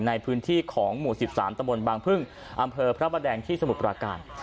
ในพื้นที่ของหมู่๑๓ตะบนบางพึ่งอำเภอพระประแดงที่สมุทรปราการ